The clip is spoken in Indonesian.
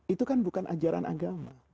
itu kan bukan ajaran agama